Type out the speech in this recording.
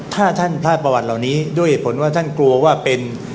ถ้าท่านพลาดประวัติเหล่านี้ด้วยเหตุผลว่าท่านกลัวว่าเป็น